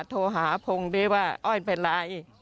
โทรหาพงดิว่าอ้อยเป็นไร